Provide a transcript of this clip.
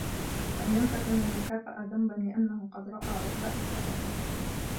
وَإِنْ لَمْ تَكُنْ الْمُكَافَأَةُ ذَنْبًا لِأَنَّهُ قَدْ رَأَى عُقْبَى إسَاءَتِهِ